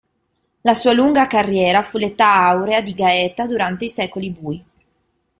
La sua lunga carriera fu l'età aurea di Gaeta durante i Secoli bui.